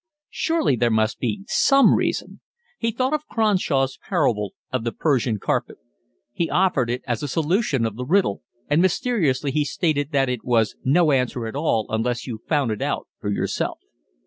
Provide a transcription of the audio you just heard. Surely there must be some reason. He thought of Cronshaw's parable of the Persian carpet. He offered it as a solution of the riddle, and mysteriously he stated that it was no answer at all unless you found it out for yourself.